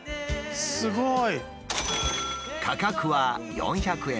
すごい！